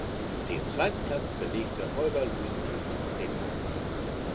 Den zweiten Platz belegte Holger Louis Nielsen aus Dänemark.